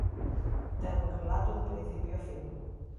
Ten un relato de principio a fin.